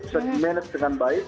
bisa di manage dengan baik